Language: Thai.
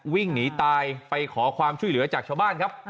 วิ่งหนีตายไปขอความช่วยเหลือจากชาวบ้านครับ